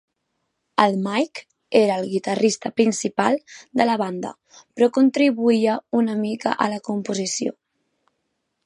El Mike era el guitarrista principal de la banda, però contribuïa una mica a la composició.